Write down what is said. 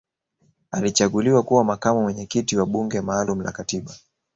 alichaguliwa kuwa makamu mwenyekiti wa bunge maalum la katiba